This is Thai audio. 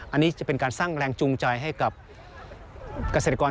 อันนี้จะเป็นการสร้างแรงจูงใจให้กับเกษตรกร